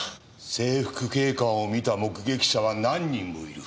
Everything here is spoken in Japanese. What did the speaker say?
制服警官を見た目撃者は何人もいる。